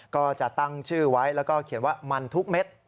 ก็จะตั้งชื่อไว้แล้วก็เขียนว่ามันทุกเม็ด